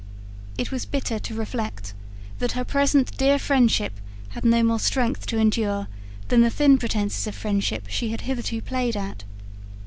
It was bitter to reflect that her present dear friendship had no more strength to endure than the thin pretences of friendship she had hitherto played at.